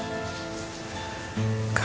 mami udah nggak ada